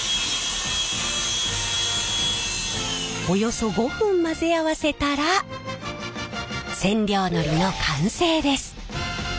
およそ５分混ぜ合わせたら染料のりの完成です。